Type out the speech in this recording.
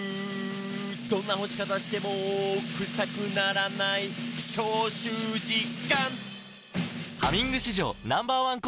「どんな干し方してもクサくならない」「消臭実感！」